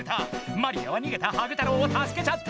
マリアはにげたハグ太郎をたすけちゃった！